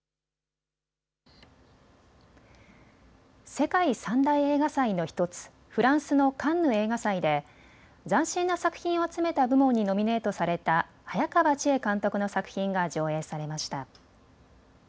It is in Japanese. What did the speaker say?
世界３大映画祭映画祭の１つ、フランスのカンヌ映画祭で斬新な作品を集めた部門にノミネートされた早川千絵監督の作品が上映されました。